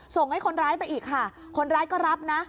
ส่งให้คนร้ายไปอีกค่ะคนร้ายก็รับนะ